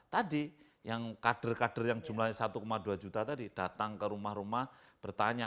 tadi yang kader kader yang jumlahnya satu dua juta tadi datang ke rumah rumah bertanya